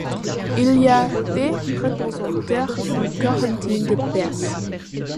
Il y fait représenter une quarantaine de pièces.